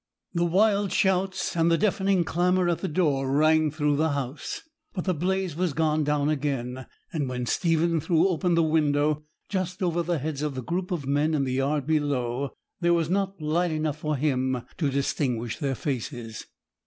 The wild shouts and the deafening clamour at the door rang through the house; but the blaze was gone down again; and when Stephen threw open the window just over the heads of the group of men in the yard below, there was not light enough for him to distinguish their faces.